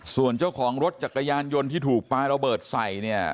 ส่วนเจ้าของรถจักรยานยนต์ที่ถูกปลาระเบิดใส่เนี่ย